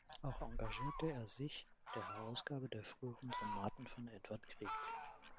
Auch engagierte er sich in der Herausgabe der frühen Sonaten von Edvard Grieg.